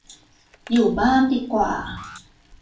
อยู่บ้านดีกว่า